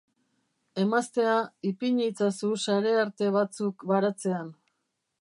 Emaztea, ipini itzazu sarearte batzuk baratzean.